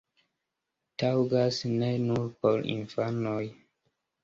Taŭgas ne nur por infanoj!